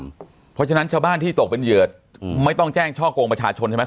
เพราะฉะนั้นชาวบ้านที่ตกเป็นเหยื่อไม่ต้องแจ้งช่อกงประชาชนใช่ไหม